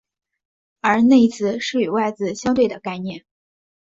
而内字是与外字相对的概念。